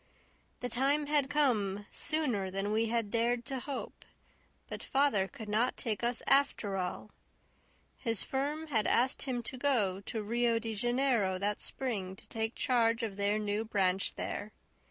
The time had come sooner than we had dared to hope; but father could not take us after all. His firm asked him to go to Rio de Janeiro that spring to take charge of their new branch there.